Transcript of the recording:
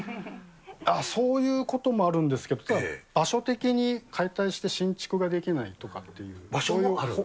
あっ、そういうこともあるんですけど、場所的に解体して新築ができないとかっていう場所もある。